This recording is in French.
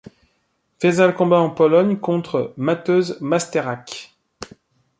Faïsal combat en Pologne contre Mateusz Masterrak.